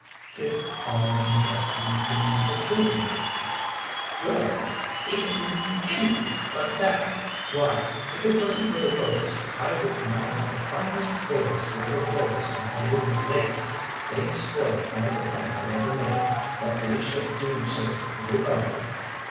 "Dick always impressed me as being a good youth." "Good? He is anything but that. Why, if it wasn't for the Rovers, I would now have the finest boarding school for boys on Cayuga Lake. They spoiled all the plans I ever made. But they shall do so no longer.